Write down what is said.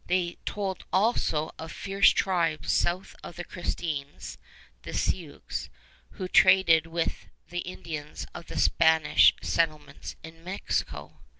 They told also of fierce tribes south of the Christines (the Sioux), who traded with the Indians of the Spanish settlements in Mexico.